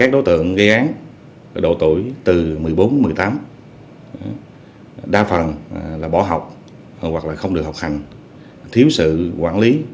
độ tuổi từ một mươi bốn một mươi tám đa phần là bỏ học hoặc không được học hành thiếu sự quản lý